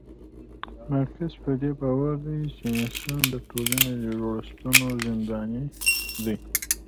مارکس پدې باور دی چي انسان د ټولني د جوړښتونو زنداني دی